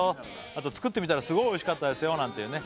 あと作ってみたらすごい美味しかったですよなんていうね